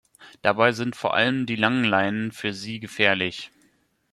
Dabei sind vor allem die Langleinen für sie gefährlich.